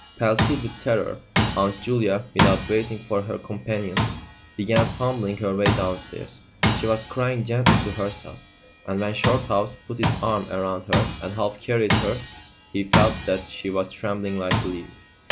Palsied with terror, Aunt Julia, without waiting for her companion, began fumbling her way downstairs; she was crying gently to herself, and when Shorthouse put his arm round her and half carried her he felt that she was trembling like a leaf.